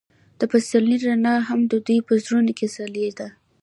د پسرلی رڼا هم د دوی په زړونو کې ځلېده.